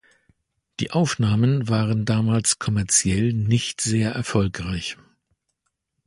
Die Aufnahmen waren damals kommerziell nicht sehr erfolgreich.